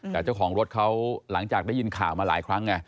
แต่เจ้าของรถเขาหลังจากได้ยินข่าวมาหลายครั้งไง